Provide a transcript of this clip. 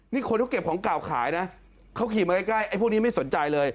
นี่คนเขาเก็บของเก่าขายนะเขาขี่มาใกล้ไอ้พวกนี้ไม่สนใจเลย